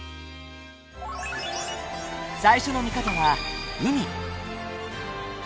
最初の見方は海。